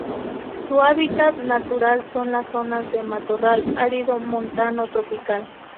Su hábitat natural son las zonas de matorral árido montano tropical.